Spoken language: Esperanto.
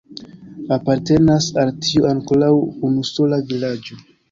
Apartenas al tio ankoraŭ unusola vilaĝo.